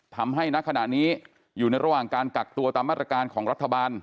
ณขณะนี้อยู่ในระหว่างการกักตัวตามมาตรการของรัฐบาล